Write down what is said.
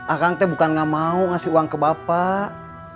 akan teh bukan gak mau ngasih uang ke bapak